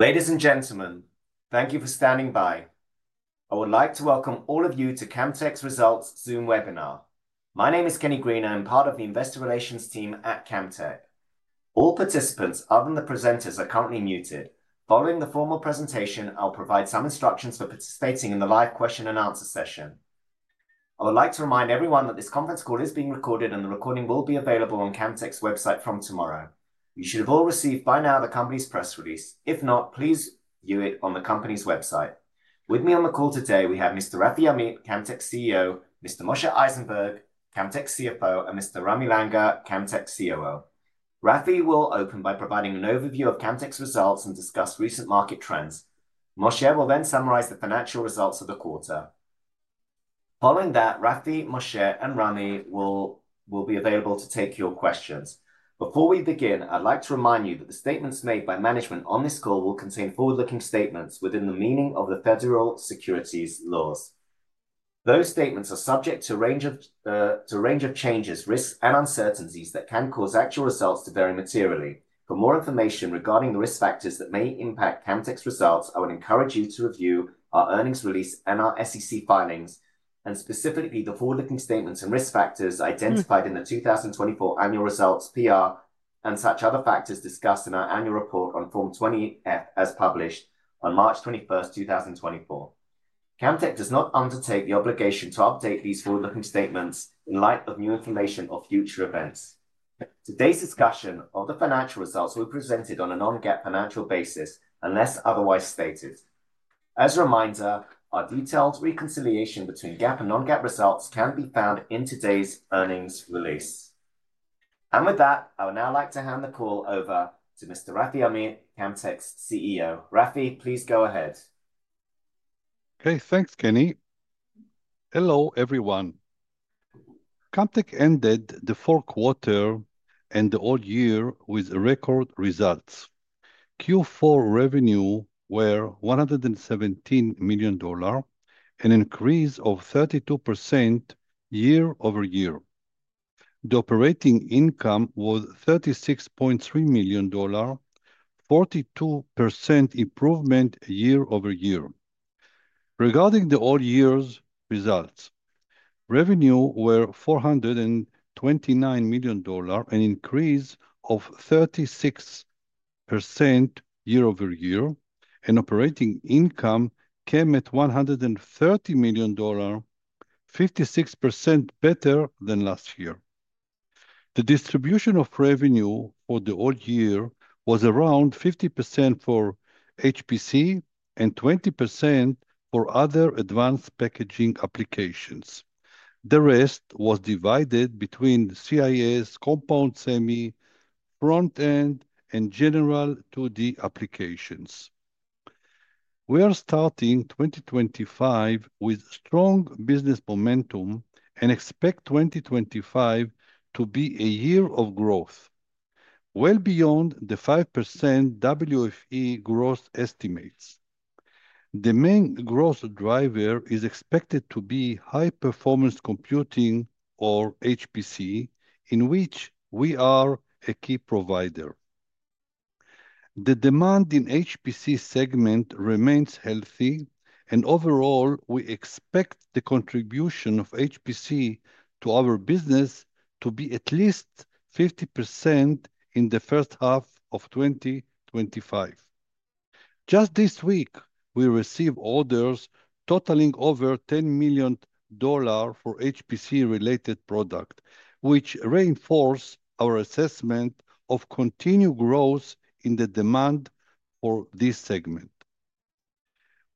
Ladies and gentlemen, thank you for standing by. I would like to welcome all of you to Camtek's results Zoom webinar. My name is Kenny Green, and I'm part of the investor relations team at Camtek. All participants, other than the presenters, are currently muted. Following the formal presentation, I'll provide some instructions for participating in the live question-and-answer session. I would like to remind everyone that this conference call is being recorded, and the recording will be available on Camtek's website from tomorrow. You should have all received by now the company's press release. If not, please view it on the company's website. With me on the call today, we have Mr. Rafi Amit, Camtek's CEO. Mr. Moshe Eisenberg, Camtek's CFO, and Mr. Ramy Langer, Camtek's COO. Rafi will open by providing an overview of Camtek's results and discuss recent market trends. Moshe will then summarize the financial results of the quarter. Following that, Rafi, Moshe, and Ramy will be available to take your questions. Before we begin, I'd like to remind you that the statements made by management on this call will contain forward-looking statements within the meaning of the federal securities laws. Those statements are subject to a range of changes, risks, and uncertainties that can cause actual results to vary materially. For more information regarding the risk factors that may impact Camtek's results, I would encourage you to review our earnings release and our SEC filings, and specifically the forward-looking statements and risk factors identified in the 2024 annual results, PR, and such other factors discussed in our annual report on Form 20-F as published on March 21st, 2024. Camtek does not undertake the obligation to update these forward-looking statements in light of new information or future events. Today's discussion of the financial results will be presented on a non-GAAP financial basis unless otherwise stated. As a reminder, our detailed reconciliation between GAAP and non-GAAP results can be found in today's earnings release. And with that, I would now like to hand the call over to Mr. Rafi Amit, Camtek's CEO. Rafi, please go ahead. Okay, thanks, Kenny. Hello everyone. Camtek ended the fourth quarter and the whole year with record results. Q4 revenue was $117 million, an increase of 32% year-over-year. The operating income was $36.3 million, a 42% improvement year-over-year. Regarding the whole year's results, revenue was $429 million, an increase of 36% year-over-year, and operating income came at $130 million, 56% better than last year. The distribution of revenue for the old year was around 50% for HPC and 20% for other advanced packaging applications. The rest was divided between CIS, compound semi, front-end, and general 2D applications. We are starting 2025 with strong business momentum and expect 2025 to be a year of growth, well beyond the 5% WFE growth estimates. The main growth driver is expected to be high-performance computing, or HPC, in which we are a key provider. The demand in the HPC segment remains healthy, and overall, we expect the contribution of HPC to our business to be at least 50% in the first half of 2025. Just this week, we received orders totaling over $10 million for HPC-related products, which reinforces our assessment of continued growth in the demand for this segment.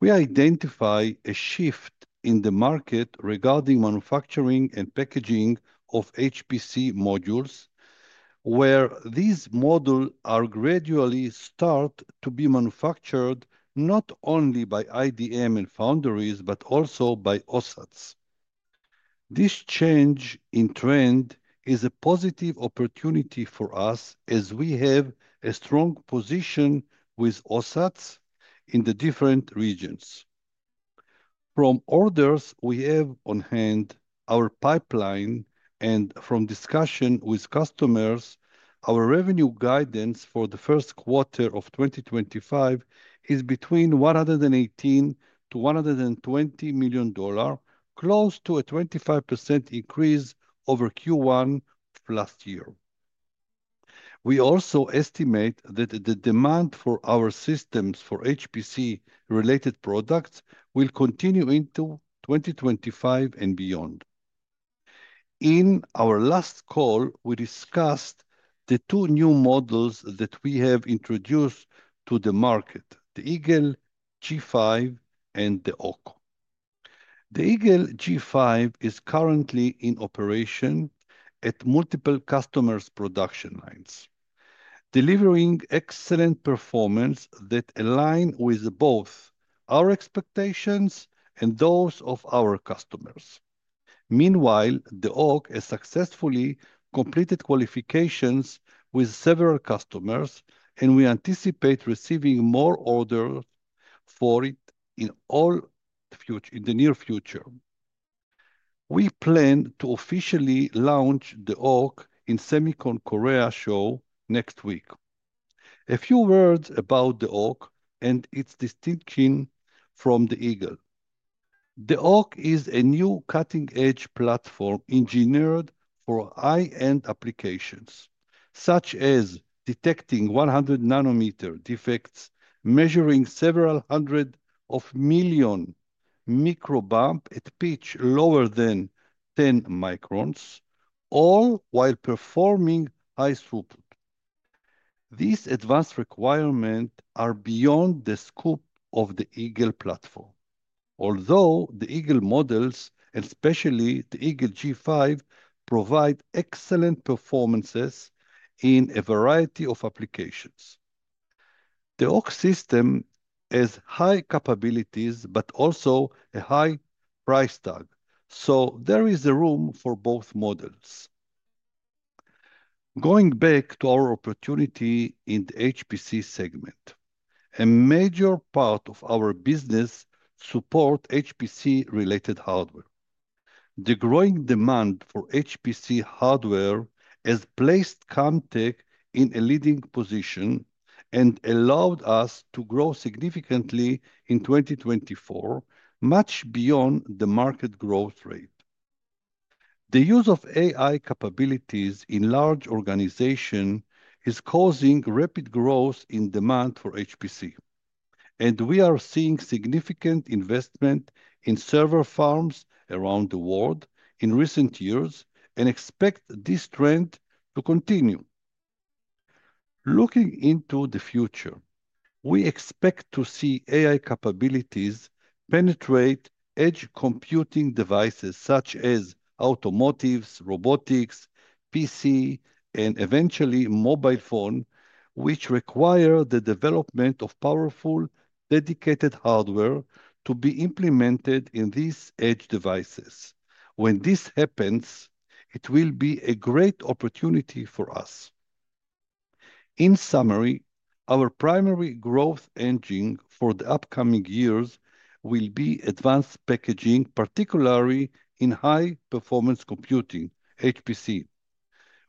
We identify a shift in the market regarding manufacturing and packaging of HPC modules, where these modules are gradually starting to be manufactured not only by IDM and foundries but also by OSATs. This change in trend is a positive opportunity for us, as we have a strong position with OSATs in the different regions. From orders we have on hand, our pipeline, and from discussion with customers, our revenue guidance for the first quarter of 2025 is between $118 million-$120 million, close to a 25% increase over Q1 last year. We also estimate that the demand for our systems for HPC-related products will continue into 2025 and beyond. In our last call, we discussed the two new models that we have introduced to the market: the Eagle G5 and the Hawk. The Eagle G5 is currently in operation at multiple customers' production lines, delivering excellent performance that aligns with both our expectations and those of our customers. Meanwhile, the Hawk has successfully completed qualifications with several customers, and we anticipate receiving more orders for it in the near future. We plan to officially launch the Hawk in the SEMICON Korea show next week. A few words about the Hawk and its distinction from the Eagle. The Hawk is a new cutting-edge platform engineered for high-end applications, such as detecting 100-nm defects, measuring several hundred million microbumps at a pitch lower than 10 µm, all while performing high throughput. These advanced requirements are beyond the scope of the Eagle platform, although the Eagle models, and especially the Eagle G5, provide excellent performances in a variety of applications. The Hawk system has high capabilities but also a high price tag, so there is room for both models. Going back to our opportunity in the HPC segment, a major part of our business supports HPC-related hardware. The growing demand for HPC hardware has placed Camtek in a leading position and allowed us to grow significantly in 2024, much beyond the market growth rate. The use of AI capabilities in large organizations is causing rapid growth in demand for HPC, and we are seeing significant investment in server farms around the world in recent years, and expect this trend to continue. Looking into the future, we expect to see AI capabilities penetrate edge computing devices such as automotive, robotics, PC, and eventually mobile phones, which require the development of powerful dedicated hardware to be implemented in these edge devices. When this happens, it will be a great opportunity for us. In summary, our primary growth engine for the upcoming years will be advanced packaging, particularly in high-performance computing, HPC.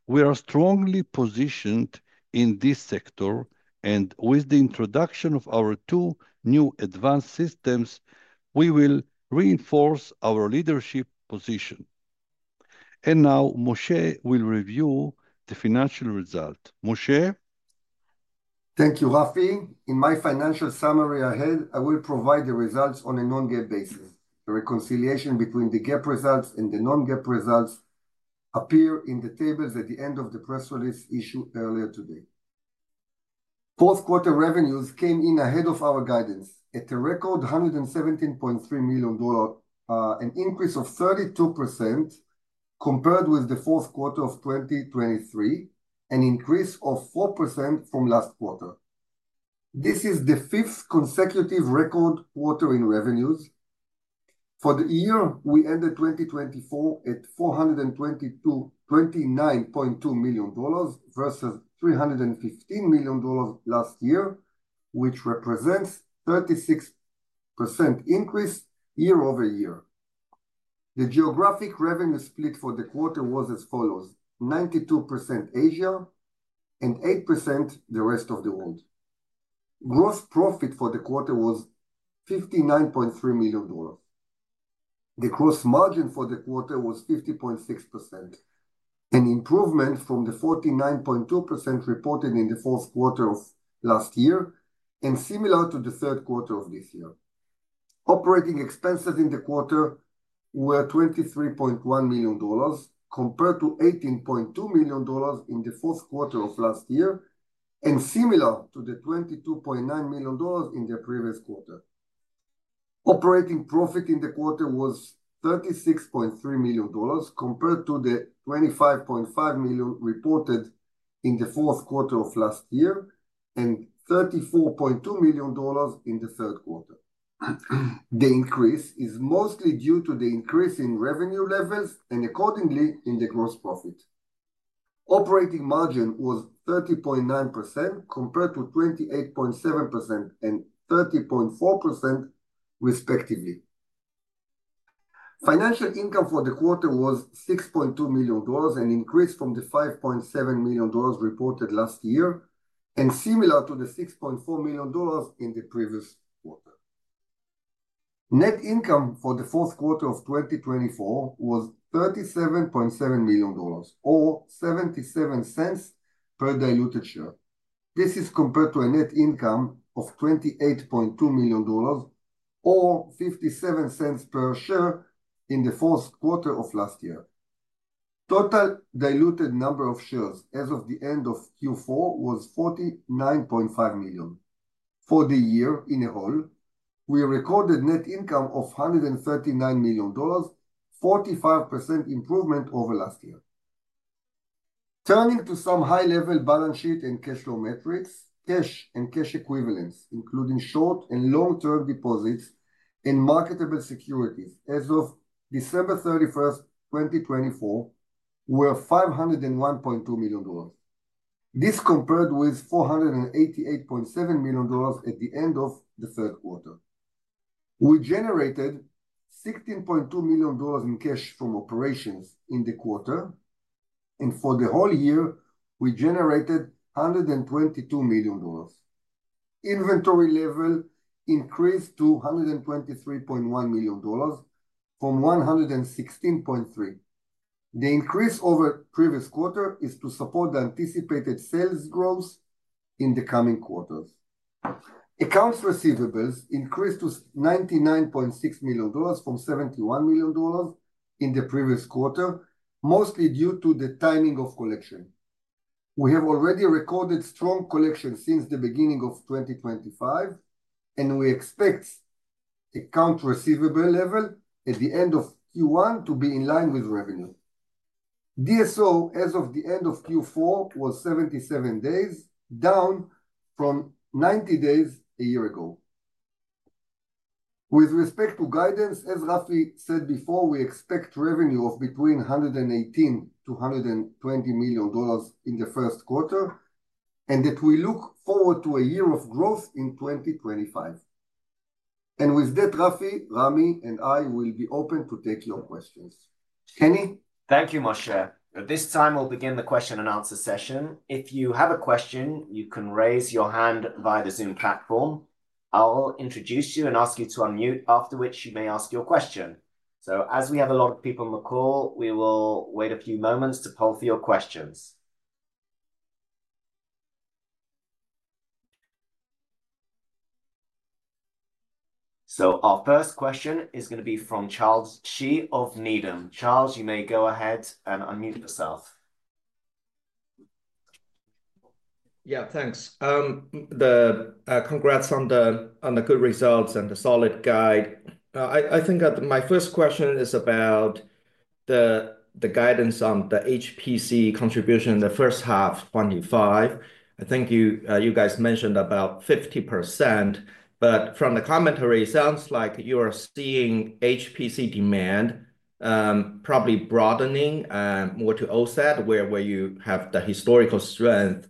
We are strongly positioned in this sector, and with the introduction of our two new advanced systems, we will reinforce our leadership position. And now, Moshe will review the financial results. Moshe? Thank you, Rafi. In my financial summary ahead, I will provide the results on a non-GAAP basis. The reconciliation between the GAAP results and the non-GAAP results appears in the tables at the end of the press release issued earlier today. Fourth quarter revenues came in ahead of our guidance at a record $117.3 million, an increase of 32% compared with the fourth quarter of 2023, an increase of 4% from last quarter. This is the fifth consecutive record quarter in revenues. For the year, we ended 2024 at $429.2 million versus $315 million last year, which represents a 36% increase year-over-year. The geographic revenue split for the quarter was as follows: 92% Asia and 8% the rest of the world. Gross profit for the quarter was $59.3 million. The gross margin for the quarter was 50.6%, an improvement from the 49.2% reported in the fourth quarter of last year and similar to the third quarter of this year. Operating expenses in the quarter were $23.1 million compared to $18.2 million in the fourth quarter of last year and similar to the $22.9 million in the previous quarter. Operating profit in the quarter was $36.3 million compared to the $25.5 million reported in the fourth quarter of last year and $34.2 million in the third quarter. The increase is mostly due to the increase in revenue levels and, accordingly, in the gross profit. Operating margin was 30.9% compared to 28.7% and 30.4%, respectively. Financial income for the quarter was $6.2 million and increased from the $5.7 million reported last year and similar to the $6.4 million in the previous quarter. Net income for the fourth quarter of 2024 was $37.7 million, or $0.77 per diluted share. This is compared to a net income of $28.2 million, or $0.57 per share in the fourth quarter of last year. Total diluted number of shares as of the end of Q4 was 49.5 million. For the year as a whole, we recorded net income of $139 million, a 45% improvement over last year. Turning to some high-level balance sheet and cash flow metrics, cash and cash equivalents, including short and long-term deposits and marketable securities, as of December 31st, 2024, were $501.2 million. This compared with $488.7 million at the end of the third quarter. We generated $16.2 million in cash from operations in the quarter, and for the whole year, we generated $122 million. Inventory level increased to $123.1 million from $116.3 million. The increase over the previous quarter is to support the anticipated sales growth in the coming quarters. Accounts receivables increased to $99.6 million from $71 million in the previous quarter, mostly due to the timing of collection. We have already recorded strong collection since the beginning of 2025, and we expect accounts receivable level at the end of Q1 to be in line with revenue. DSO as of the end of Q4 was 77 days, down from 90 days a year ago. With respect to guidance, as Rafi said before, we expect revenue of between $118 million-$120 million in the first quarter and that we look forward to a year of growth in 2025. And with that, Rafi, Ramy, and I will be open to take your questions. Kenny? Thank you, Moshe. At this time, we'll begin the question and answer session. If you have a question, you can raise your hand via the Zoom platform. I'll introduce you and ask you to unmute, after which you may ask your question. So, as we have a lot of people on the call, we will wait a few moments to poll for your questions. So, our first question is going to be from Charles Shi of Needham. Charles, you may go ahead and unmute yourself. Yeah, thanks. Congrats on the good results and the solid guide. I think my first question is about the guidance on the HPC contribution in the first half of 2025. I think you guys mentioned about 50%, but from the commentary, it sounds like you are seeing HPC demand probably broadening more to OSAT, where you have the historical strength.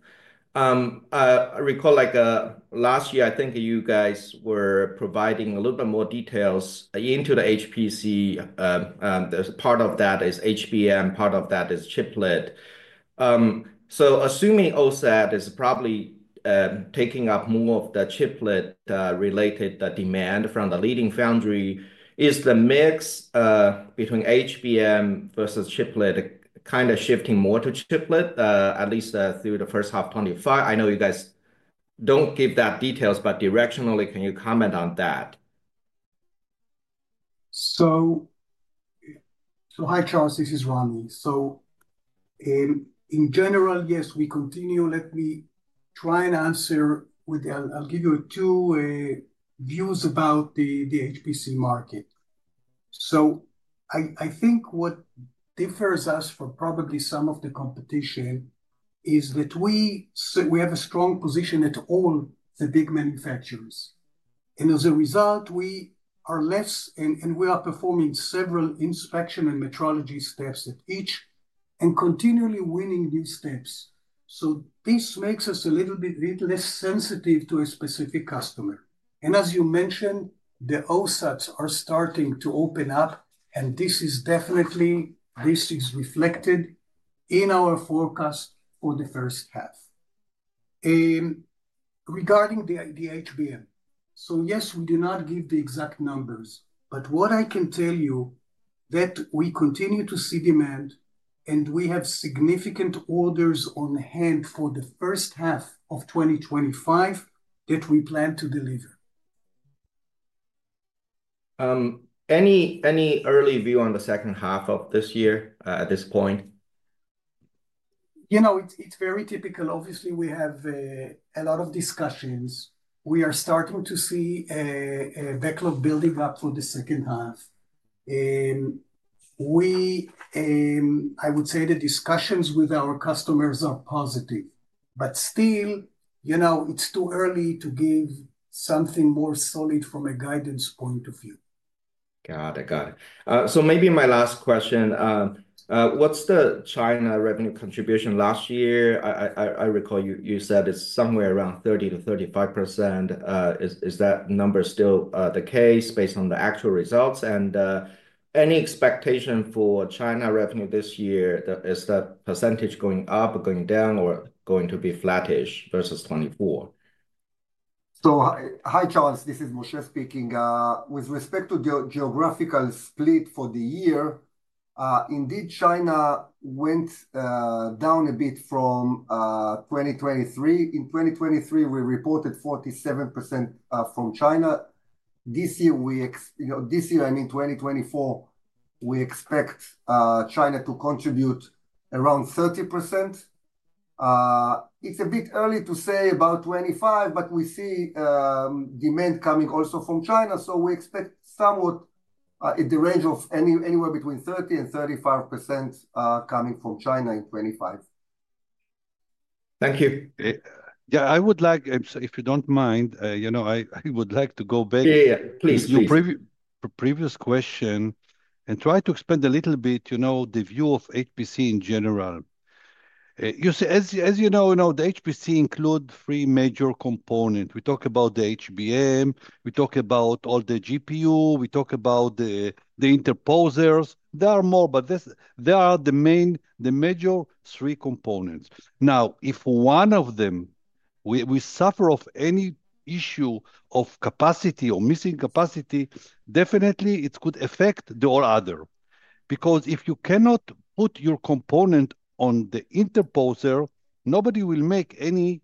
I recall, like, last year, I think you guys were providing a little bit more details into the HPC. Part of that is HBM. Part of that is chiplet. So, assuming OSAT is probably taking up more of the chiplet-related demand from the leading foundry, is the mix between HBM versus chiplet kind of shifting more to chiplet, at least through the first half of 2025? I know you guys don't give that details, but directionally, can you comment on that? So, hi, Charles. This is Ramy. So, in general, yes, we continue. Let me try and answer with, I'll give you two views about the HPC market. So, I think what differs us from probably some of the competition is that we have a strong position at all the big manufacturers. And as a result, we are less, and we are performing several inspection and metrology steps at each and continually winning these steps. So, this makes us a little bit less sensitive to a specific customer. And as you mentioned, the OSATs are starting to open up, and this is definitely, this is reflected in our forecast for the first half. Regarding the HBM, so yes, we do not give the exact numbers, but what I can tell you is that we continue to see demand, and we have significant orders on hand for the first half of 2025 that we plan to deliver. Any early view on the second half of this year at this point? You know, it's very typical. Obviously, we have a lot of discussions. We are starting to see a backlog building up for the second half. We, I would say the discussions with our customers are positive, but still, you know, it's too early to give something more solid from a guidance point of view. Got it. Got it. So, maybe my last question, what's the China revenue contribution last year? I recall you said it's somewhere around 30%-35%. Is that number still the case based on the actual results? And any expectation for China revenue this year? Is that percentage going up, going down, or going to be flattish versus 2024? Hi, Charles. This is Moshe speaking. With respect to the geographical split for the year, indeed, China went down a bit from 2023. In 2023, we reported 47% from China. This year, I mean, 2024, we expect China to contribute around 30%. It's a bit early to say about 2025, but we see demand coming also from China. We expect somewhere in the range of anywhere between 30% and 35% coming from China in 2025. Thank you. Yeah, I would like, if you don't mind, you know, I would like to go back. Yeah, yeah, please. To your previous question and try to expand a little bit, you know, the view of HPC in general. You see, as you know, you know, the HPC includes three major components. We talk about the HBM, we talk about all the GPU, we talk about the interposers. There are more, but there are the main, the major three components. Now, if one of them, we suffer from any issue of capacity or missing capacity, definitely it could affect the all other. Because if you cannot put your component on the interposer, nobody will make any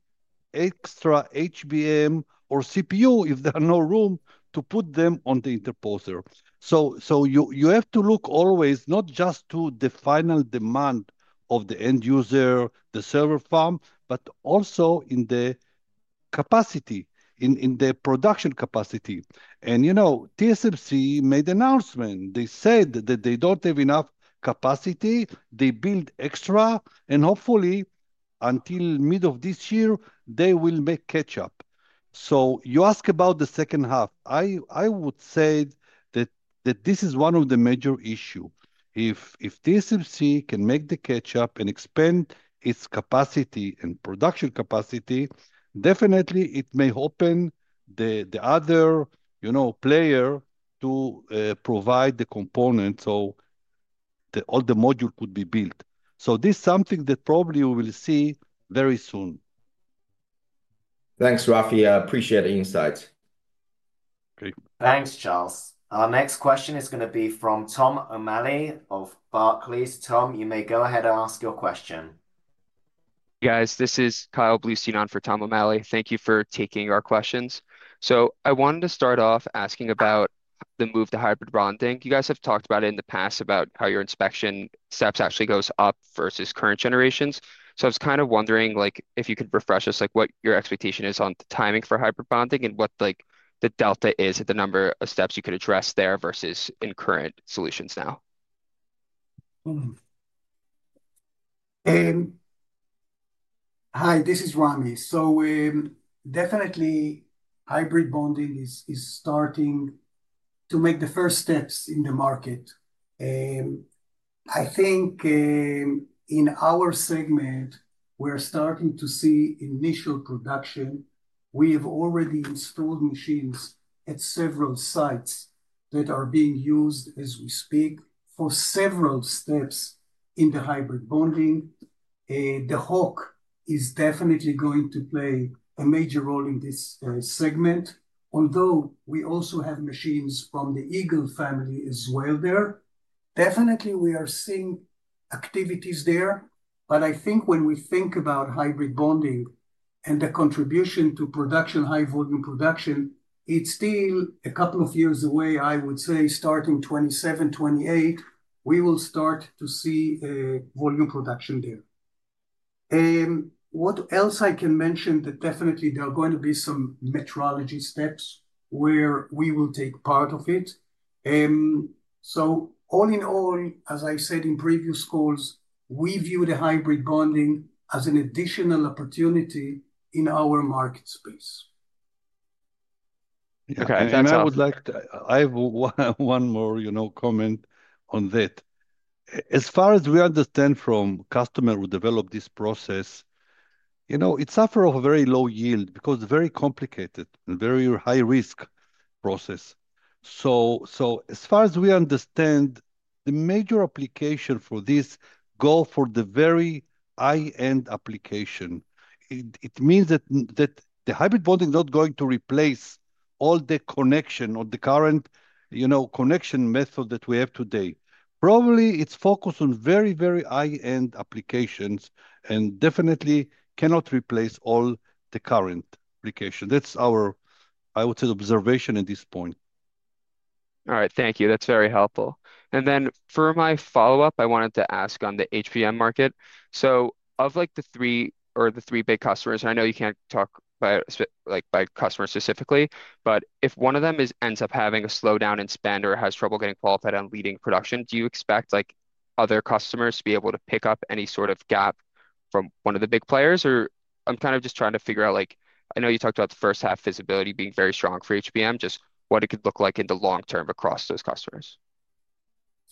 extra HBM or CPU if there's no room to put them on the interposer. So, you have to look always not just to the final demand of the end user, the server farm, but also in the capacity, in the production capacity, and, you know, TSMC made an announcement. They said that they don't have enough capacity. They build extra, and hopefully, until the middle of this year, they will make catch-up. So, you ask about the second half, I would say that this is one of the major issues. If TSMC can make the catch-up and expand its capacity and production capacity, definitely it may open the other, you know, player to provide the components, so all the modules could be built. So, this is something that probably we will see very soon. Thanks, Rafi. I appreciate the insights. Thanks, Charles. Our next question is going to be from Tom O'Malley of Barclays. Tom, you may go ahead and ask your question. Hey, guys, this is Kyle Bleustein for Tom O'Malley. Thank you for taking our questions. So, I wanted to start off asking about the move to hybrid bonding. You guys have talked about it in the past, about how your inspection steps actually go up versus current generations. So, I was kind of wondering, like, if you could refresh us, like, what your expectation is on the timing for hybrid bonding and what, like, the delta is at the number of steps you could address there versus in current solutions now. Hi, this is Ramy, so definitely, hybrid bonding is starting to make the first steps in the market. I think in our segment, we're starting to see initial production. We have already installed machines at several sites that are being used as we speak for several steps in the hybrid bonding. The Hawk is definitely going to play a major role in this segment, although we also have machines from the Eagle family as well there. Definitely, we are seeing activities there, but I think when we think about hybrid bonding and the contribution to production, high-volume production, it's still a couple of years away, I would say, starting 2027, 2028, we will start to see volume production there. What else? I can mention that definitely there are going to be some metrology steps where we will take part of it. All in all, as I said in previous calls, we view the hybrid bonding as an additional opportunity in our market space. Okay. And I would like to, I have one more, you know, comment on that. As far as we understand from customers who developed this process, you know, it suffers from a very low yield because it's a very complicated and very high-risk process. So, as far as we understand, the major application for this goes for the very high-end application. It means that the hybrid bonding is not going to replace all the connection or the current, you know, connection method that we have today. Probably it's focused on very, very high-end applications and definitely cannot replace all the current applications. That's our, I would say, observation at this point. All right. Thank you. That's very helpful. And then for my follow-up, I wanted to ask on the HBM market. So, of, like, the three big customers, and I know you can't talk about, like, customers specifically, but if one of them ends up having a slowdown in spend or has trouble getting qualified on leading production, do you expect, like, other customers to be able to pick up any sort of gap from one of the big players? Or I'm kind of just trying to figure out, like, I know you talked about the first half visibility being very strong for HBM, just what it could look like in the long term across those customers.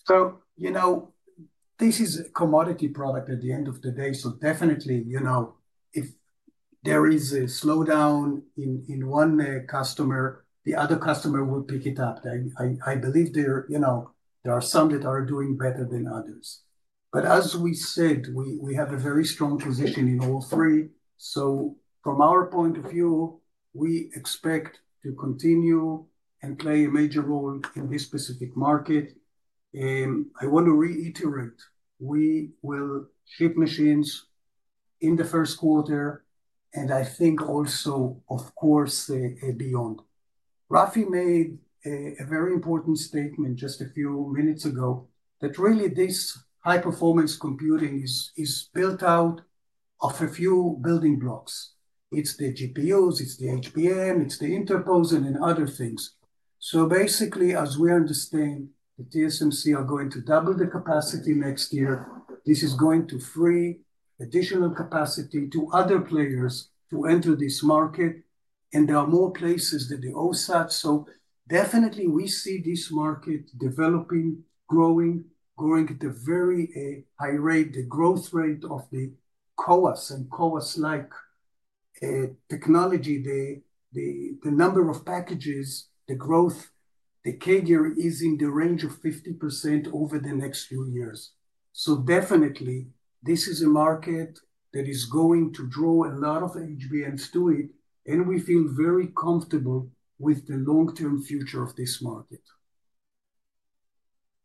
So, you know, this is a commodity product at the end of the day. So, definitely, you know, if there is a slowdown in one customer, the other customer will pick it up. I believe there, you know, there are some that are doing better than others. But as we said, we have a very strong position in all three. So, from our point of view, we expect to continue and play a major role in this specific market. I want to reiterate, we will ship machines in the first quarter, and I think also, of course, beyond. Rafi made a very important statement just a few minutes ago that really this high-performance computing is built out of a few building blocks. It's the GPUs, it's the HBM, it's the interposers, and other things. So, basically, as we understand, the TSMC are going to double the capacity next year. This is going to free additional capacity to other players to enter this market. And there are more places than the OSAT. So, definitely, we see this market developing, growing at a very high rate, the growth rate of the CoWoS and CoWoS-like technology, the number of packages, the growth, the CAGR is in the range of 50% over the next few years. So, definitely, this is a market that is going to draw a lot of HBMs to it, and we feel very comfortable with the long-term future of this market.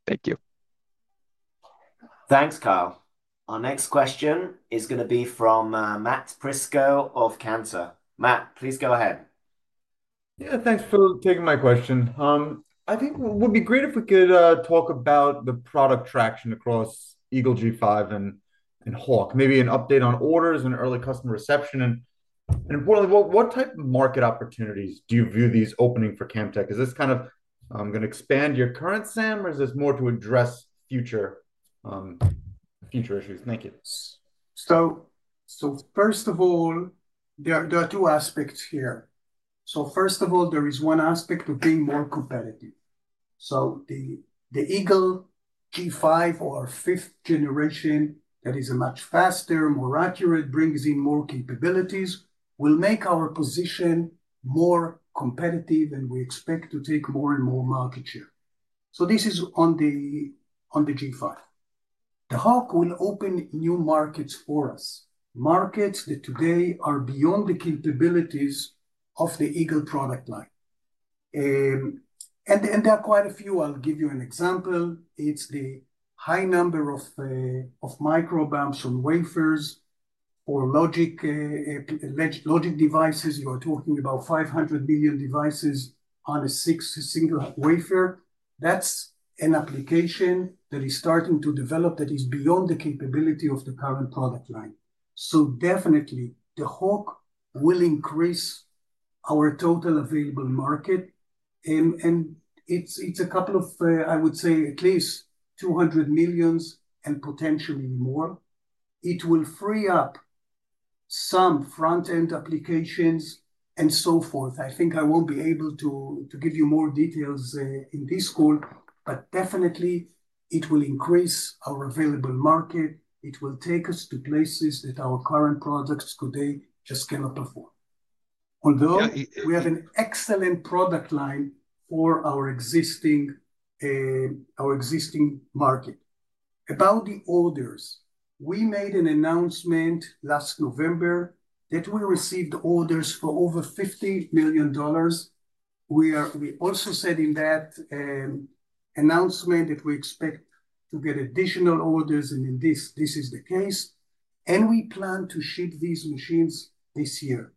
Thank you. Thanks, Kyle. Our next question is going to be from Matt Prisco of Cantor. Matt, please go ahead. Yeah, thanks for taking my question. I think it would be great if we could talk about the product traction across Eagle G5 and Hawk, maybe an update on orders and early customer reception. Importantly, what type of market opportunities do you view these opening for Camtek? Is this kind of, I'm going to expand your current SAM, or is this more to address future issues? Thank you. First of all, there are two aspects here. First of all, there is one aspect of being more competitive. The Eagle G5 or 5th generation that is much faster, more accurate, brings in more capabilities, will make our position more competitive, and we expect to take more and more market share. This is on the G5. The Hawk will open new markets for us, markets that today are beyond the capabilities of the Eagle product line. There are quite a few. I'll give you an example. It's the high number of microbumps on wafers or logic devices. You are talking about 500 million devices on a single wafer. That's an application that is starting to develop that is beyond the capability of the current product line. Definitely, the Hawk will increase our total available market. It's a couple of, I would say, at least $200 million and potentially more. It will free up some front-end applications and so forth. I think I won't be able to give you more details in this call, but definitely, it will increase our available market. It will take us to places that our current products today just cannot perform. Although we have an excellent product line for our existing market. About the orders, we made an announcement last November that we received orders for over $50 million. We also said in that announcement that we expect to get additional orders, and in this, this is the case. We plan to ship these machines this year.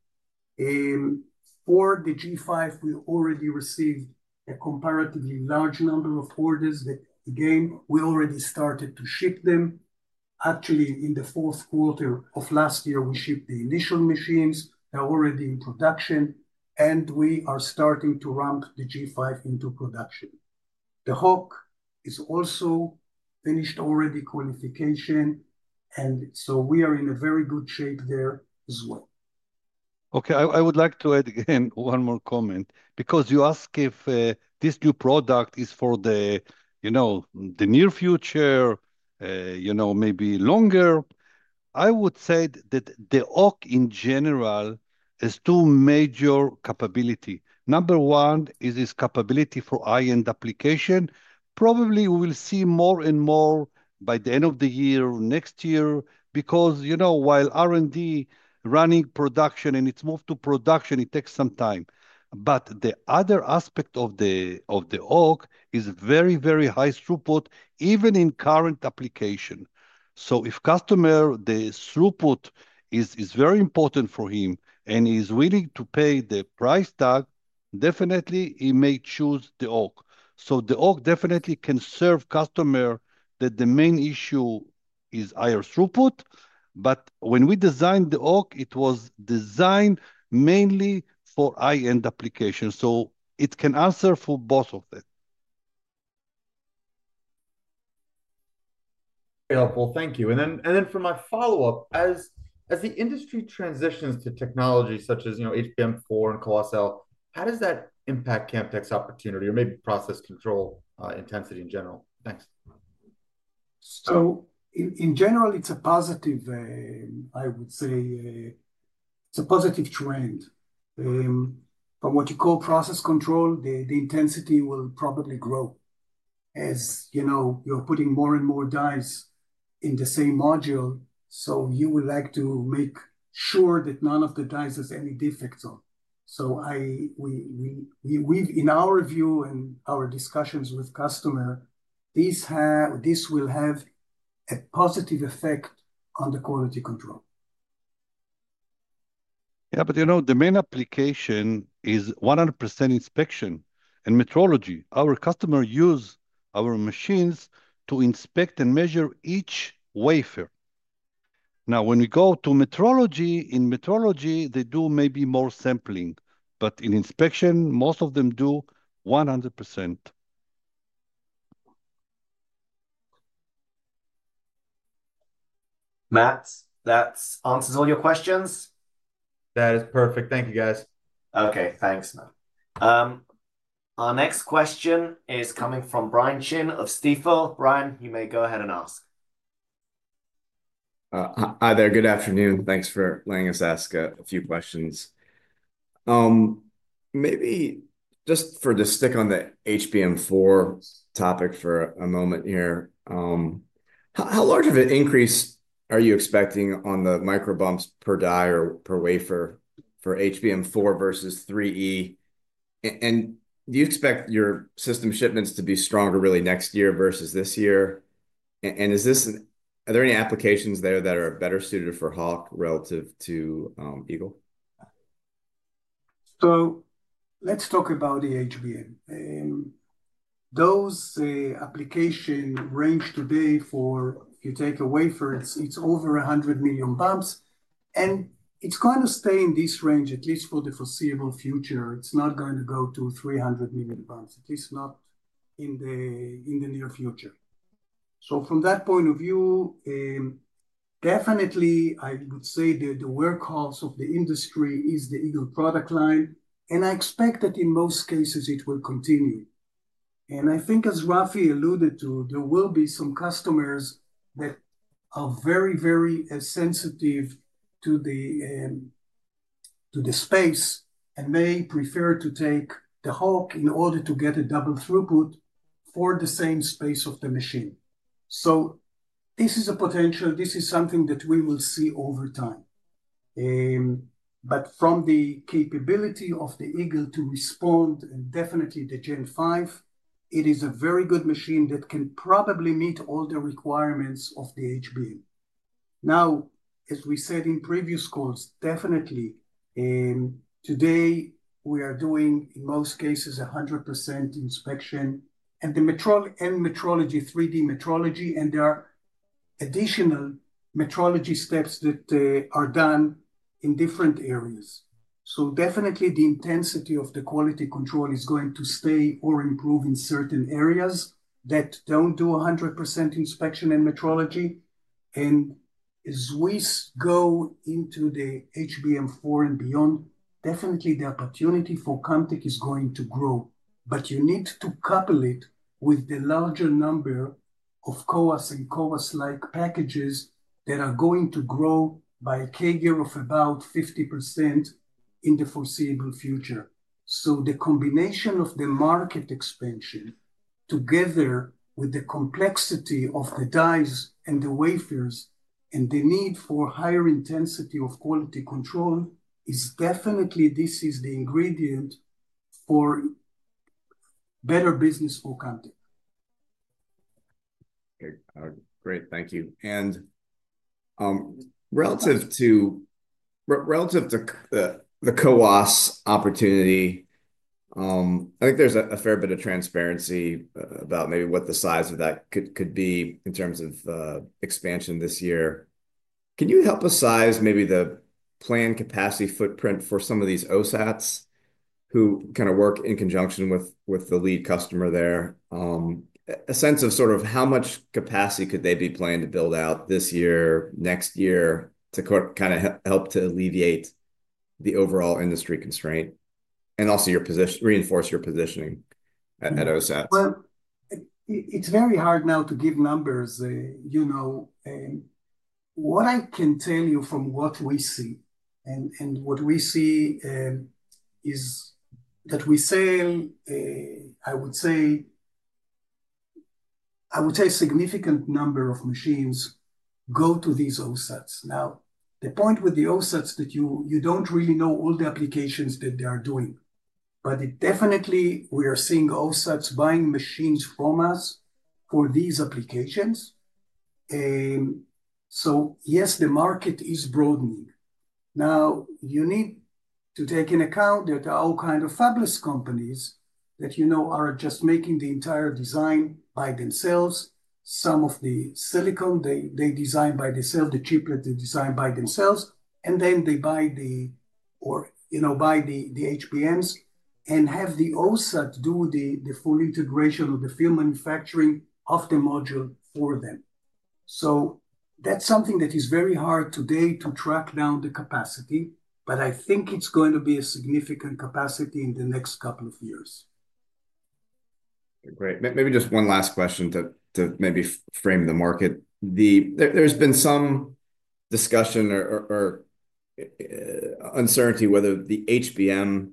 For the G5, we already received a comparatively large number of orders that, again, we already started to ship them. Actually, in the fourth quarter of last year, we shipped the initial machines. They're already in production, and we are starting to ramp the G5 into production. The Hawk has also finished qualification already, and so we are in very good shape there as well. Okay. I would like to add again one more comment because you ask if this new product is for the, you know, the near future, you know, maybe longer. I would say that the Hawk in general has two major capabilities. Number one is its capability for high-end application. Probably we will see more and more by the end of the year, next year, because, you know, while R&D running production and it's moved to production, it takes some time. But the other aspect of the Hawk is very, very high throughput, even in current application. So, if customer, the throughput is very important for him and he is willing to pay the price tag, definitely he may choose the Hawk. So, the Hawk definitely can serve customers that the main issue is higher throughput, but when we designed the Hawk, it was designed mainly for high-end applications. So, it can answer for both of them. Thank you. And then for my follow-up, as the industry transitions to technology such as, you know, HBM4 and CoWoS-L, how does that impact Camtek's opportunity or maybe process control intensity in general? Thanks. So, in general, it's a positive, I would say, it's a positive trend. From what you call process control, the intensity will probably grow as, you know, you're putting more and more dies in the same module. So, you would like to make sure that none of the dies has any defects on. So, in our view and our discussions with customers, this will have a positive effect on the quality control. Yeah, but you know, the main application is 100% inspection and metrology. Our customers use our machines to inspect and measure each wafer. Now, when we go to metrology, in metrology, they do maybe more sampling, but in inspection, most of them do 100%. Matt, that answers all your questions? That is perfect. Thank you, guys. Okay. Thanks, Matt. Our next question is coming from Brian Chin of Stifel. Brian, you may go ahead and ask. Hi, there. Good afternoon. Thanks for letting us ask a few questions. Maybe just to stick on the HBM4 topic for a moment here. How large of an increase are you expecting on the microbumps per die or per wafer for HBM4 versus HBM3E? And do you expect your system shipments to be stronger really next year versus this year? And are there any applications there that are better suited for Hawk relative to Eagle? So, let's talk about the HBM. Those applications range today for, if you take a wafer, it's over 100 million bumps. And it's going to stay in this range at least for the foreseeable future. It's not going to go to 300 million bumps. It is not in the near future. So, from that point of view, definitely, I would say the workhorse of the industry is the Eagle product line. And I expect that in most cases, it will continue. And I think, as Rafi alluded to, there will be some customers that are very, very sensitive to the space and may prefer to take the Hawk in order to get a double throughput for the same space of the machine. So, this is a potential. This is something that we will see over time. But from the capability of the Eagle to respond, and definitely the 5th generation, it is a very good machine that can probably meet all the requirements of the HBM. Now, as we said in previous calls, definitely, today, we are doing, in most cases, 100% inspection and the metrology 3D metrology, and there are additional metrology steps that are done in different areas. So, definitely, the intensity of the quality control is going to stay or improve in certain areas that don't do 100% inspection and metrology. And as we go into the HBM4 and beyond, definitely, the opportunity for Camtek is going to grow. But you need to couple it with the larger number of CoWoS and CoWoS-like packages that are going to grow by a CAGR of about 50% in the foreseeable future. So, the combination of the market expansion together with the complexity of the dies and the wafers and the need for higher intensity of quality control is definitely, this is the ingredient for better business for Camtek. Great. Thank you. And relative to the CoWoS opportunity, I think there's a fair bit of transparency about maybe what the size of that could be in terms of expansion this year. Can you help us size maybe the planned capacity footprint for some of these OSATs who kind of work in conjunction with the lead customer there? A sense of sort of how much capacity could they be planning to build out this year, next year to kind of help to alleviate the overall industry constraint and also reinforce your positioning at OSAT? It's very hard now to give numbers. What I can tell you from what we see, and what we see is that we sell, I would say, a significant number of machines go to these OSATs. Now, the point with the OSATs is that you don't really know all the applications that they are doing. But definitely, we are seeing OSATs buying machines from us for these applications. So, yes, the market is broadening. Now, you need to take into account that there are all kinds of fabless companies that are just making the entire design by themselves. Some of the silicon, they design by themselves. The chiplet, they design by themselves. And then they buy the, or buy the HBMs and have the OSAT do the full integration of the final manufacturing of the module for them. So, that's something that is very hard today to track down the capacity, but I think it's going to be a significant capacity in the next couple of years. Great. Maybe just one last question to maybe frame the market. There's been some discussion or uncertainty whether the HBM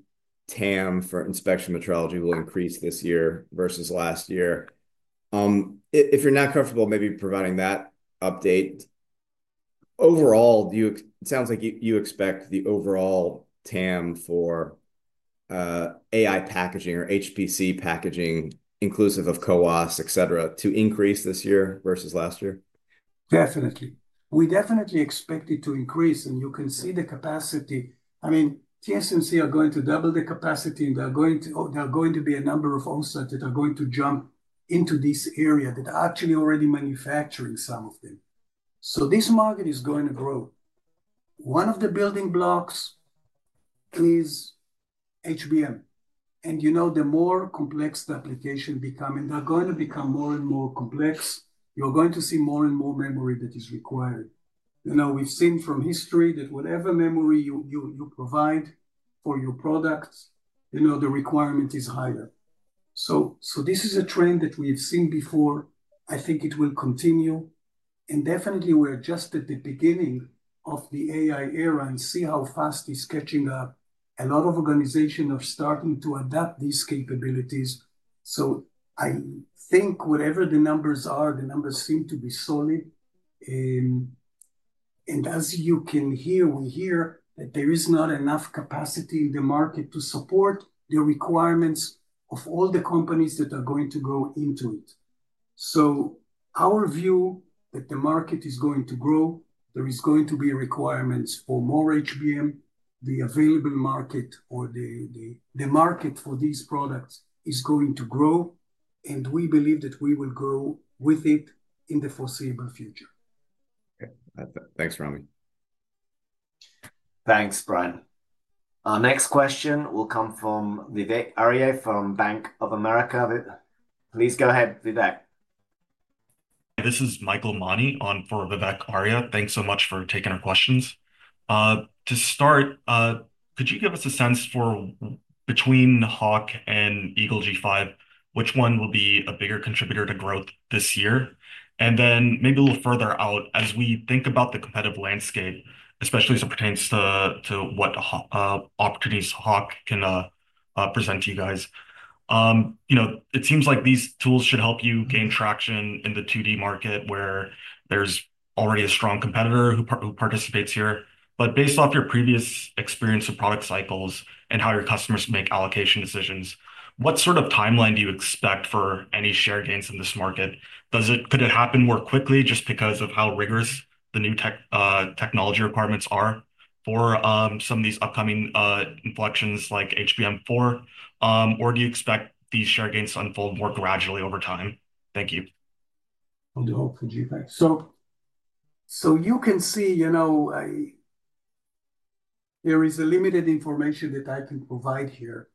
TAM for inspection metrology will increase this year versus last year. If you're not comfortable maybe providing that update, overall, it sounds like you expect the overall TAM for AI packaging or HPC packaging, inclusive of CoWoS, etc., to increase this year versus last year? Definitely. We definitely expect it to increase, and you can see the capacity. I mean, TSMC are going to double the capacity, and there are going to be a number of OSATs that are going to jump into this area that are actually already manufacturing some of them, so this market is going to grow. One of the building blocks is HBM, and the more complex the application becomes, and they're going to become more and more complex, you're going to see more and more memory that is required. We've seen from history that whatever memory you provide for your products, the requirement is higher, so this is a trend that we have seen before. I think it will continue, and definitely, we're just at the beginning of the AI era and see how fast it's catching up. A lot of organizations are starting to adapt these capabilities. So, I think whatever the numbers are, the numbers seem to be solid. And as you can hear, we hear that there is not enough capacity in the market to support the requirements of all the companies that are going to go into it. So, our view that the market is going to grow, there is going to be requirements for more HBM. The available market or the market for these products is going to grow. And we believe that we will grow with it in the foreseeable future. Thanks, Ramy. Thanks, Brian. Our next question will come from Vivek Arya from Bank of America. Please go ahead, Vivek. This is Michael Mani for Vivek Arya. Thanks so much for taking our questions. To start, could you give us a sense for between Hawk and Eagle G5, which one will be a bigger contributor to growth this year? And then maybe a little further out, as we think about the competitive landscape, especially as it pertains to what opportunities Hawk can present to you guys, it seems like these tools should help you gain traction in the 2D market where there's already a strong competitor who participates here. But based off your previous experience of product cycles and how your customers make allocation decisions, what sort of timeline do you expect for any share gains in this market? Could it happen more quickly just because of how rigorous the new technology requirements are for some of these upcoming inflections like HBM4? Or do you expect these share gains to unfold more gradually over time? Thank you. On the Hawk and G5. So, you can see there is limited information that I can provide here.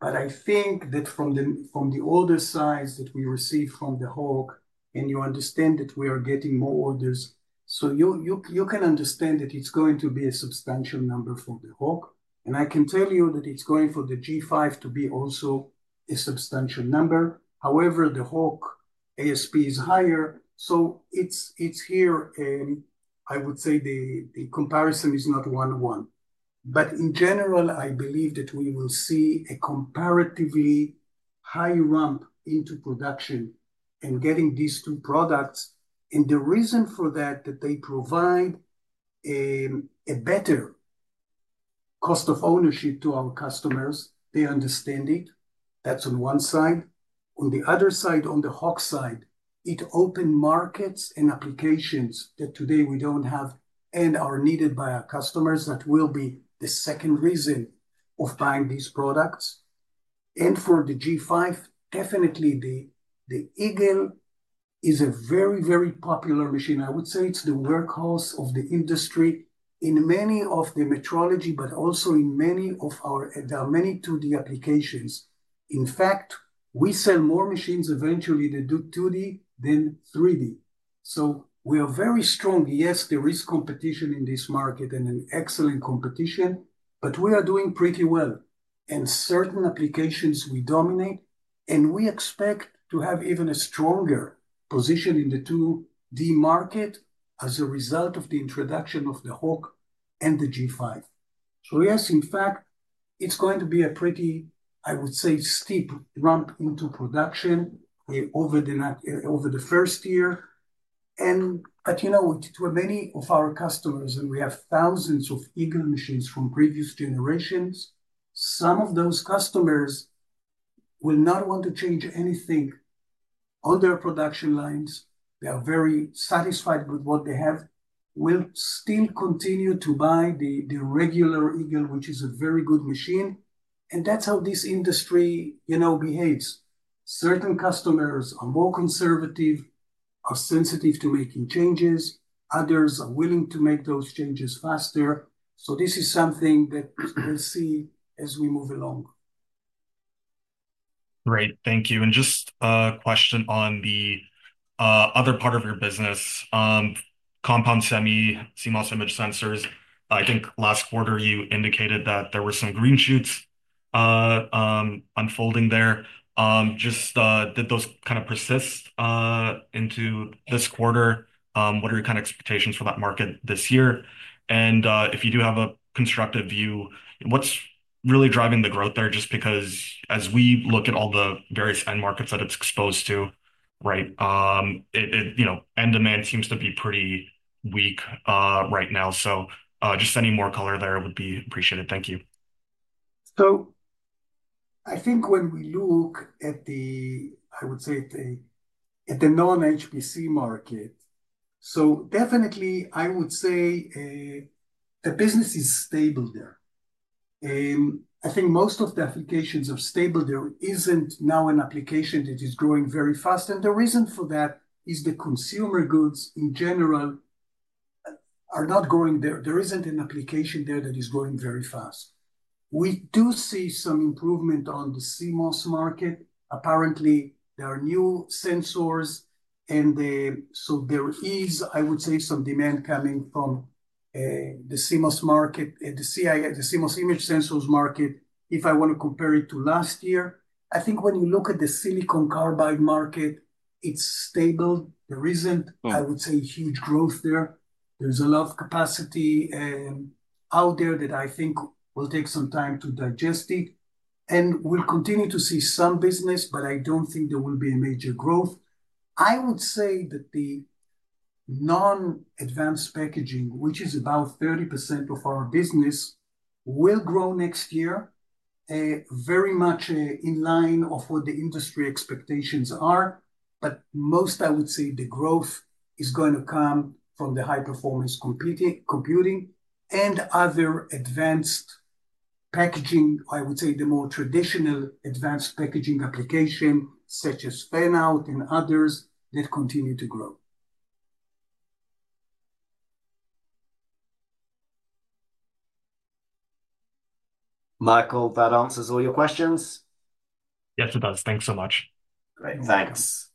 But I think that from the order size that we received from the Hawk, and you understand that we are getting more orders. So, you can understand that it's going to be a substantial number for the Hawk. And I can tell you that it's going for the G5 to be also a substantial number. However, the Hawk ASP is higher. So, it's here, and I would say the comparison is not one-on-one. But in general, I believe that we will see a comparatively high ramp into production and getting these two products. And the reason for that, that they provide a better cost of ownership to our customers, they understand it. That's on one side. On the other side, on the Hawk side, it opened markets and applications that today we don't have and are needed by our customers that will be the second reason of buying these products. And for the G5, definitely, the Eagle is a very, very popular machine. I would say it's the workhorse of the industry in many of the metrology, but also in many of our 2D applications. In fact, we sell more machines eventually that do 2D than 3D. So, we are very strong. Yes, there is competition in this market and an excellent competition, but we are doing pretty well. And certain applications we dominate, and we expect to have even a stronger position in the 2D market as a result of the introduction of the Hawk and the G5. So, yes, in fact, it's going to be a pretty, I would say, steep ramp into production over the first year. But many of our customers, and we have thousands of Eagle machines from previous generations, some of those customers will not want to change anything on their production lines. They are very satisfied with what they have, will still continue to buy the regular Eagle, which is a very good machine. And that's how this industry behaves. Certain customers are more conservative, are sensitive to making changes. Others are willing to make those changes faster. So, this is something that we'll see as we move along. Great. Thank you. And just a question on the other part of your business, compound semi, CMOS image sensors. I think last quarter, you indicated that there were some green shoots unfolding there. Just did those kind of persist into this quarter? What are your kind of expectations for that market this year? And if you do have a constructive view, what's really driving the growth there? Just because as we look at all the various end markets that it's exposed to, right, end demand seems to be pretty weak right now. So, just any more color there would be appreciated. Thank you. I think when we look at the, I would say, at the non-HPC market, so definitely, I would say the business is stable there. I think most of the applications are stable there. It isn't now an application that is growing very fast. The reason for that is the consumer goods in general are not growing there. There isn't an application there that is growing very fast. We do see some improvement on the CMOS market. Apparently, there are new sensors. There is, I would say, some demand coming from the CMOS market, the CMOS image sensors market, if I want to compare it to last year. I think when you look at the silicon carbide market, it's stable. There isn't, I would say, huge growth there. There's a lot of capacity out there that I think will take some time to digest it. And we'll continue to see some business, but I don't think there will be a major growth. I would say that the non-advanced packaging, which is about 30% of our business, will grow next year very much in line with what the industry expectations are. But most, I would say, the growth is going to come from the high-performance computing and other advanced packaging, I would say, the more traditional advanced packaging application such as fan-out and others that continue to grow. Michael, that answers all your questions? Yes, it does. Thanks so much. Great. Thanks.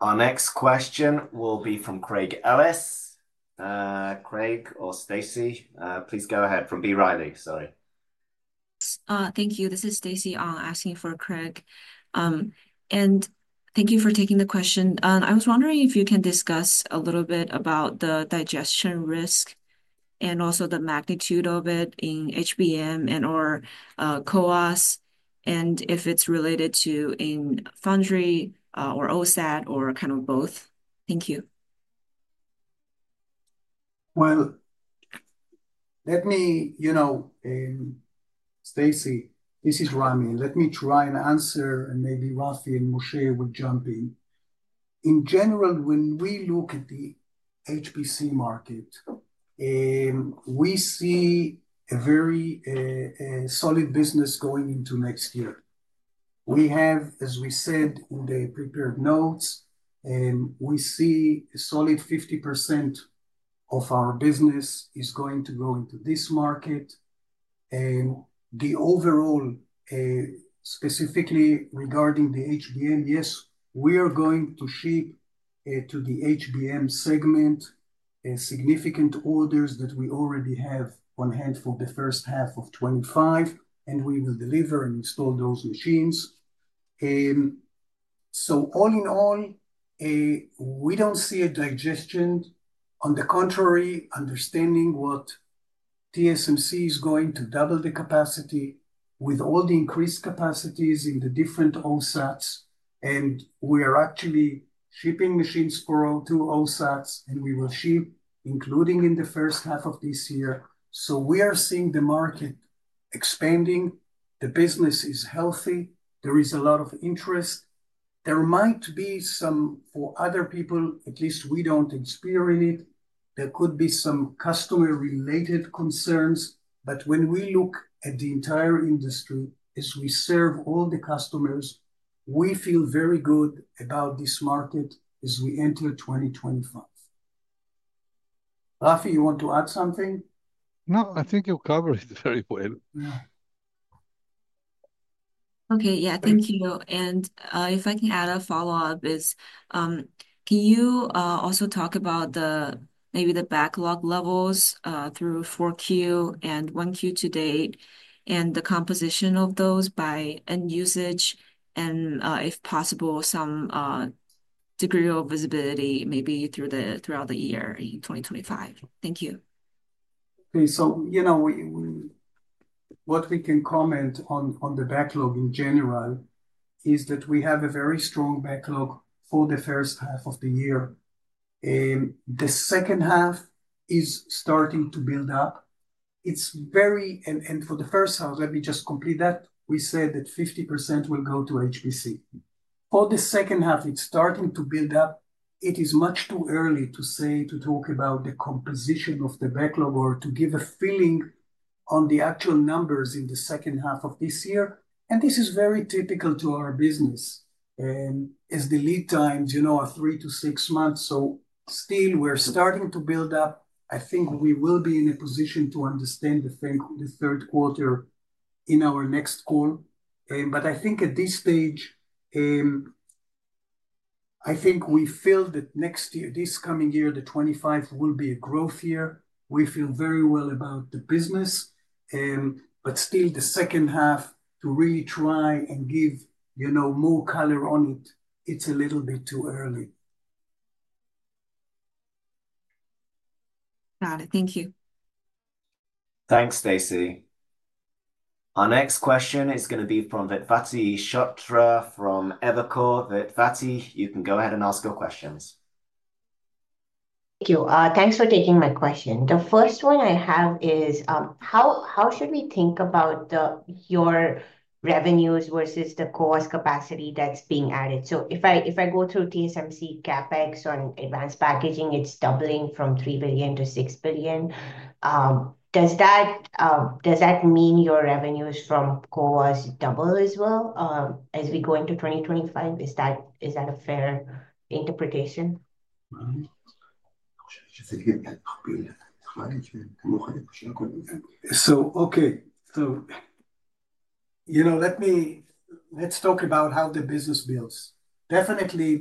Our next question will be from Craig Ellis. Craig or Stacy, please go ahead from B. Riley. Sorry. Thank you. This is Stacy asking for Craig. And thank you for taking the question. I was wondering if you can discuss a little bit about the digestion risk and also the magnitude of it in HBM and/or CoWoS and if it's related to in foundry or OSAT or kind of both. Thank you. Let me, Stacey, this is Ramy. Let me try and answer, and maybe Rafi and Moshe will jump in. In general, when we look at the HPC market, we see a very solid business going into next year. We have, as we said in the prepared notes, we see a solid 50% of our business is going to go into this market. And the overall, specifically regarding the HBM, yes, we are going to ship to the HBM segment significant orders that we already have on hand for the first half of 2025, and we will deliver and install those machines. So, all in all, we don't see a digestion. On the contrary, understanding what TSMC is going to double the capacity with all the increased capacities in the different OSATs. And we are actually shipping machines for all two OSATs, and we will ship, including in the first half of this year. So, we are seeing the market expanding. The business is healthy. There is a lot of interest. There might be some for other people, at least we don't experience it. There could be some customer-related concerns. But when we look at the entire industry, as we serve all the customers, we feel very good about this market as we enter 2025. Rafi, you want to add something? No, I think you covered it very well. Okay. Yeah, thank you. And if I can add a follow-up is, can you also talk about maybe the backlog levels through 4Q and 1Q to date and the composition of those by end usage and, if possible, some degree of visibility maybe throughout the year in 2025? Thank you. Okay. So, what we can comment on the backlog in general is that we have a very strong backlog for the first half of the year. The second half is starting to build up. And for the first half, let me just complete that. We said that 50% will go to HPC. For the second half, it's starting to build up. It is much too early to say, to talk about the composition of the backlog or to give a feeling on the actual numbers in the second half of this year. And this is very typical to our business. As the lead times are three to six months. So, still, we're starting to build up. I think we will be in a position to understand the third quarter in our next call. But I think at this stage, I think we feel that next year, this coming year, the 2025 will be a growth year. We feel very well about the business. But still, the second half to really try and give more color on it, it's a little bit too early. Got it. Thank you. Thanks, Stacey. Our next question is going to be from Vedvati Shrotre from Evercore. Vedvati, you can go ahead and ask your questions. Thank you. Thanks for taking my question. The first one I have is, how should we think about your revenues versus the CoWoS capacity that's being added? So, if I go through TSMC CapEx on advanced packaging, it's doubling from $3 billion to $6 billion. Does that mean your revenues from CoWoS double as well as we go into 2025? Is that a fair interpretation? Let's talk about how the business builds. Definitely,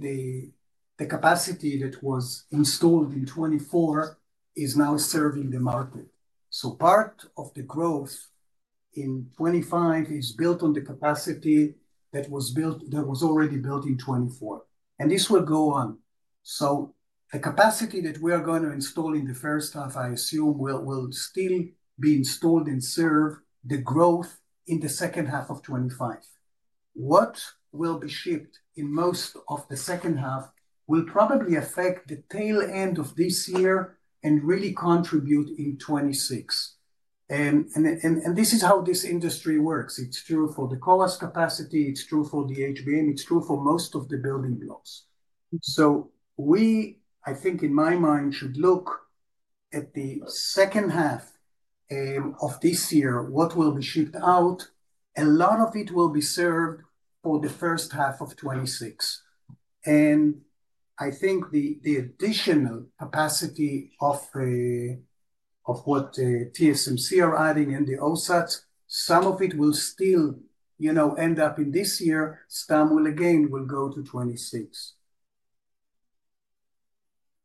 the capacity that was installed in 2024 is now serving the market. Part of the growth in 2025 is built on the capacity that was already built in 2024. This will go on. The capacity that we are going to install in the first half, I assume, will still be installed and serve the growth in the second half of 2025. What will be shipped in most of the second half will probably affect the tail end of this year and really contribute in 2026. This is how this industry works. It's true for the CoWoS capacity. It's true for the HBM. It's true for most of the building blocks. So, I think in my mind, should look at the second half of this year, what will be shipped out, a lot of it will be served for the first half of 2026. And I think the additional capacity of what TSMC are adding and the OSATs, some of it will still end up in this year. Some will again go to 2026.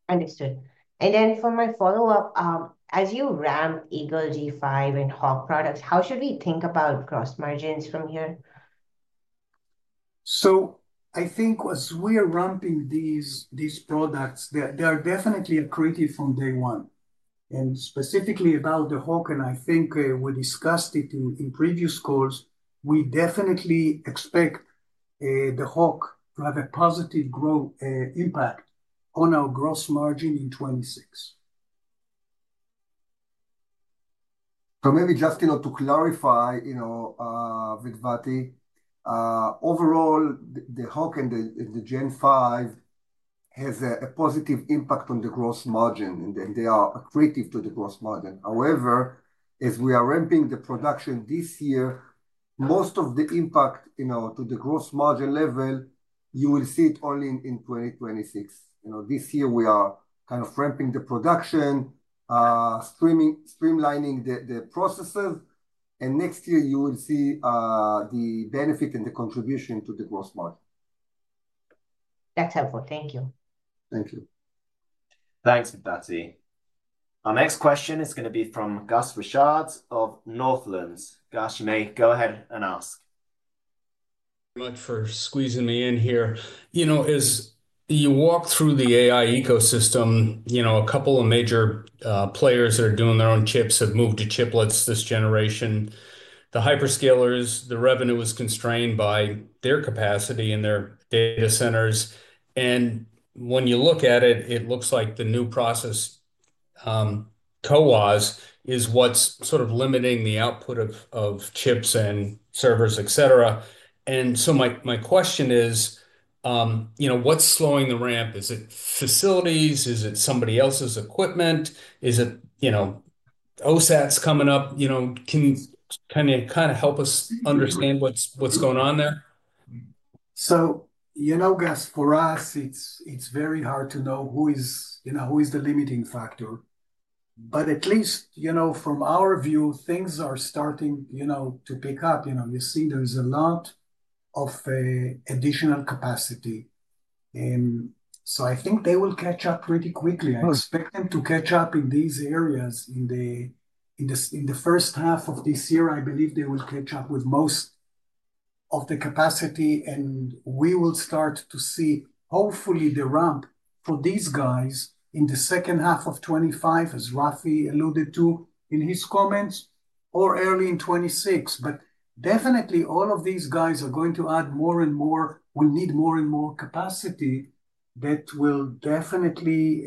Understood. And then for my follow-up, as you ramp Eagle G5 and Hawk products, how should we think about gross margins from here? So, I think as we are ramping these products, they are definitely accretive from day one. And specifically about the Hawk, and I think we discussed it in previous calls, we definitely expect the Hawk to have a positive impact on our gross margin in 2026. So maybe just to clarify, Vivek, overall, the Hawk and the G5 has a positive impact on the gross margin, and they are accretive to the gross margin. However, as we are ramping the production this year, most of the impact to the gross margin level, you will see it only in 2026. This year, we are kind of ramping the production, streamlining the processes. And next year, you will see the benefit and the contribution to the gross margin. That's helpful. Thank you. Thank you. Thanks, Vivek. Our next question is going to be from Gus Richard of Northland. Gus, you may go ahead and ask. Thank you so much for squeezing me in here. As you walk through the AI ecosystem, a couple of major players that are doing their own chips have moved to chiplets this generation. The hyperscalers, the revenue is constrained by their capacity and their data centers. And when you look at it, it looks like the new process, CoWoS, is what's sort of limiting the output of chips and servers, etc. And so my question is, what's slowing the ramp? Is it facilities? Is it somebody else's equipment? Is it OSATs coming up? Can you kind of help us understand what's going on there? So, Gus, for us, it's very hard to know who is the limiting factor. But at least from our view, things are starting to pick up. You see there's a lot of additional capacity. And so I think they will catch up pretty quickly. I expect them to catch up in these areas. In the first half of this year, I believe they will catch up with most of the capacity. And we will start to see, hopefully, the ramp for these guys in the second half of 2025, as Rafi alluded to in his comments, or early in 2026. But definitely, all of these guys are going to add more and more. We need more and more capacity that will definitely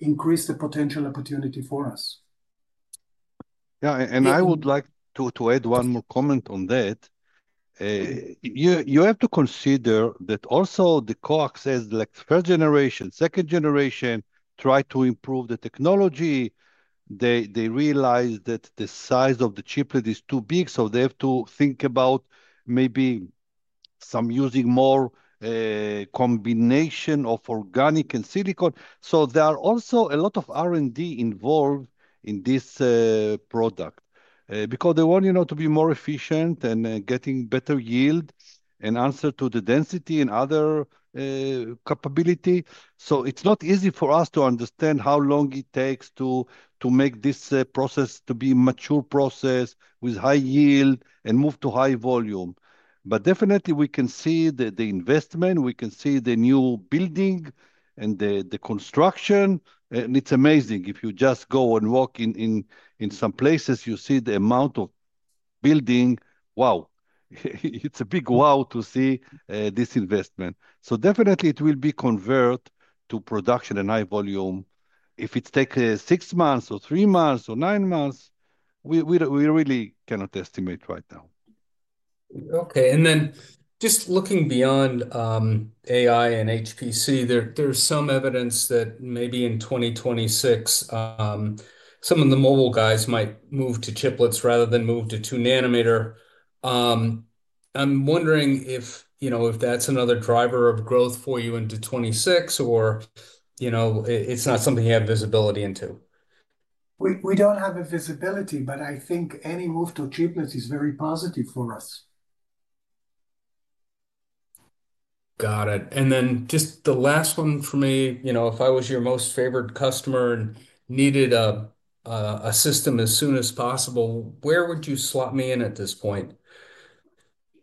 increase the potential opportunity for us. Yeah, and I would like to add one more comment on that. You have to consider that also the CoWoS, as the first generation, second generation, try to improve the technology. They realize that the size of the chiplet is too big. So they have to think about maybe some using more combination of organic and silicon. So there are also a lot of R&D involved in this product because they want to be more efficient and getting better yield and answer to the density and other capability. So it's not easy for us to understand how long it takes to make this process to be a mature process with high yield and move to high volume. But definitely, we can see the investment. We can see the new building and the construction, and it's amazing. If you just go and walk in some places, you see the amount of building. Wow. It's a big wow to see this investment. So definitely, it will be converted to production and high volume. If it takes six months or three months or nine months, we really cannot estimate right now. Okay. And then just looking beyond AI and HPC, there's some evidence that maybe in 2026, some of the mobile guys might move to chiplets rather than move to 2-nm. I'm wondering if that's another driver of growth for you into 2026, or it's not something you have visibility into? We don't have a visibility, but I think any move to chiplets is very positive for us. Got it. And then just the last one for me. If I was your most favorite customer and needed a system as soon as possible, where would you slot me in at this point?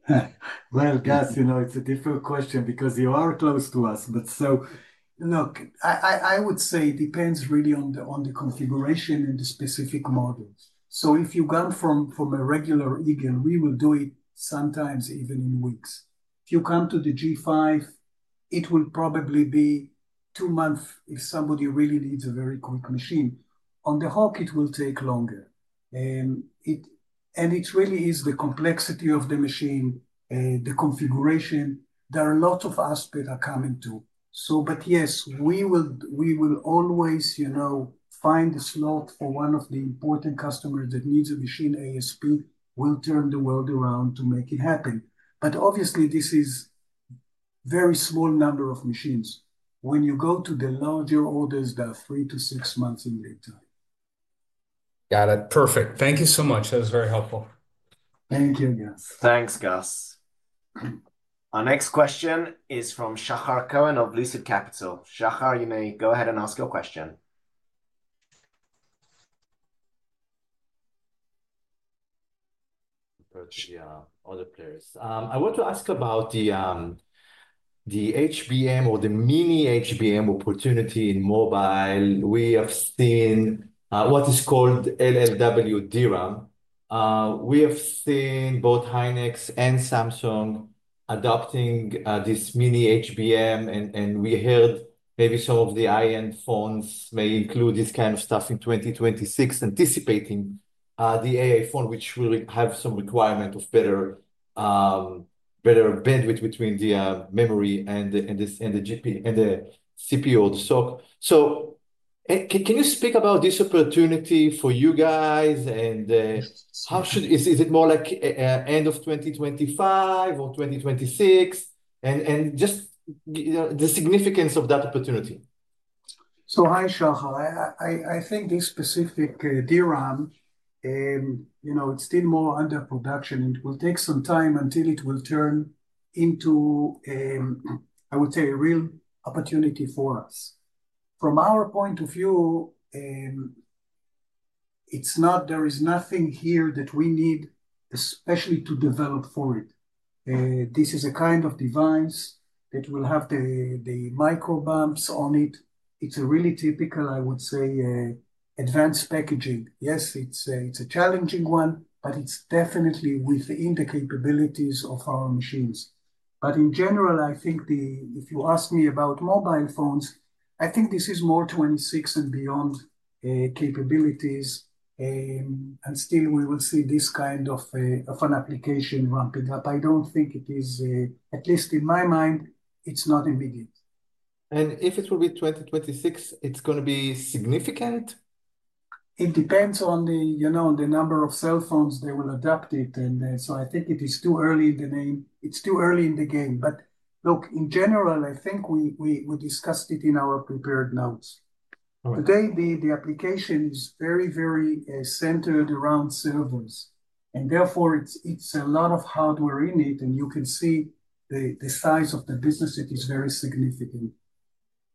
Gus, it's a difficult question because you are close to us. But so look, I would say it depends really on the configuration and the specific model. So if you come from a regular Eagle, we will do it sometimes even in weeks. If you come to the G5, it will probably be two months if somebody really needs a very quick machine. On the Hawk, it will take longer. And it really is the complexity of the machine, the configuration. There are a lot of aspects that are coming too. But yes, we will always find a slot for one of the important customers that needs a machine ASAP. We'll turn the world around to make it happen. But obviously, this is a very small number of machines. When you go to the larger orders, they are three to six months in lead time. Got it. Perfect. Thank you so much. That was very helpful. Thank you, Gus. Thanks, Gus. Our next question is from Shahar Cohen of Lucid Capital. Shahar, you may go ahead and ask your question. Approach the other players. I want to ask about the HBM or the Mini-HBM opportunity in mobile. We have seen what is called LLW DRAM. We have seen both Hynix and Samsung adopting this Mini-HBM. And we heard maybe some of the high-end phones may include this kind of stuff in 2026, anticipating the AI phone, which will have some requirement of better bandwidth between the memory and the CPU or the SoC. So can you speak about this opportunity for you guys? And is it more like end of 2025 or 2026? And just the significance of that opportunity. Hi, Shahar. I think this specific DRAM, it's still more under production. It will take some time until it will turn into, I would say, a real opportunity for us. From our point of view, there is nothing here that we need, especially to develop for it. This is a kind of device that will have the microbumps on it. It's a really typical, I would say, advanced packaging. Yes, it's a challenging one, but it's definitely within the capabilities of our machines. But in general, I think if you ask me about mobile phones, I think this is more 2026 and beyond capabilities. Still, we will see this kind of an application ramping up. I don't think it is, at least in my mind, it's not immediate. If it will be 2026, it's going to be significant? It depends on the number of cell phones they will adopt it, and so I think it is too early in the game. It's too early in the game, but look, in general, I think we discussed it in our prepared notes. Today, the application is very, very centered around servers, and therefore, it's a lot of hardware in it, and you can see the size of the business. It is very significant.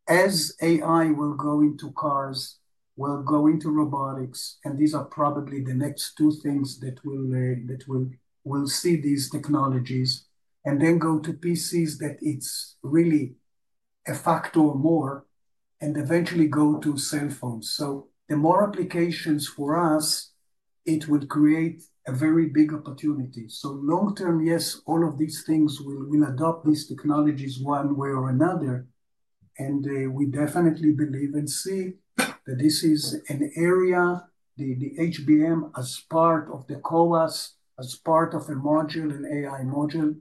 As AI will go into cars, will go into robotics, and these are probably the next two things that we'll see these technologies and then go to PCs that it's really a factor more and eventually go to cell phones, so the more applications for us, it will create a very big opportunity, so long term, yes, all of these things will adopt these technologies one way or another. And we definitely believe and see that this is an area, the HBM as part of the CoWoS, as part of a module, an AI module,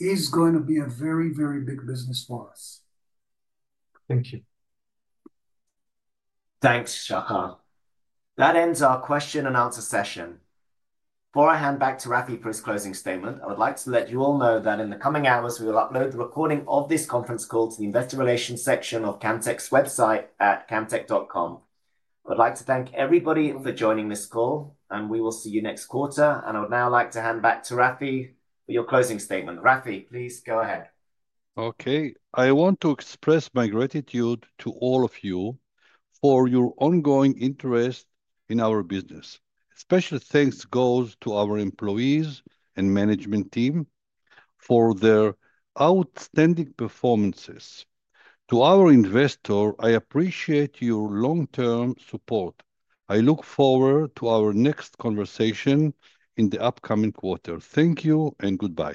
is going to be a very, very big business for us. Thank you. Thanks, Shahar. That ends our question and answer session. Before I hand back to Rafi for his closing statement, I would like to let you all know that in the coming hours, we will upload the recording of this conference call to the investor relations section of Camtek's website at camtek.com. I would like to thank everybody for joining this call. And we will see you next quarter. And I would now like to hand back to Rafi for your closing statement. Rafi, please go ahead. Okay. I want to express my gratitude to all of you for your ongoing interest in our business. Special thanks goes to our employees and management team for their outstanding performances. To our investor, I appreciate your long-term support. I look forward to our next conversation in the upcoming quarter. Thank you and goodbye.